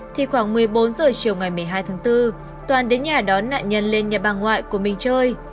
thì khoảng một mươi bốn h chiều ngày một mươi hai tháng bốn toàn đến nhà đón nạn nhân lên nhà bà ngoại của mình chơi